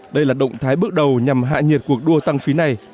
đây là động thái bước đầu nhằm hạ nhiệt cuộc đua tăng phí này